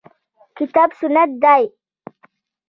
کتاب سنت دي.